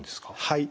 はい。